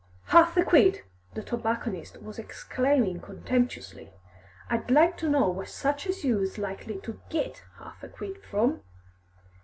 "Arf a quid!" the tobacconist was exclaiming contemptuously. "I'd like to know where such as you's likely to git arf a quid from."